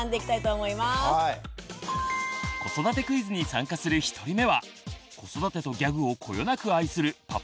子育てクイズに参加する１人目は子育てとギャグをこよなく愛するパパ